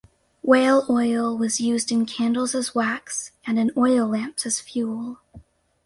Whale oil was used in candles as wax, and in oil lamps as fuel.